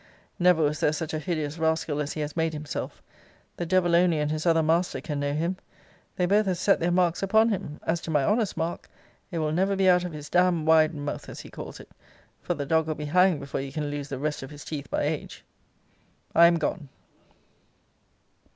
Never was there such a hideous rascal as he has made himself. The devil only and his other master can know him. They both have set their marks upon him. As to my honour's mark, it will never be out of his dam'd wide mothe, as he calls it. For the dog will be hanged before he can lose the rest of his teeth by age. I am gone.